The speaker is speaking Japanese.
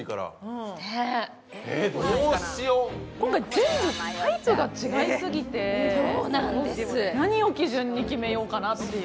全部、タイプが違いすぎて何を基準に決めようかなっていう。